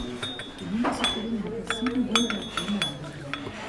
Die Hundesitterin hatte sieben Hunde auf einmal an der Leine.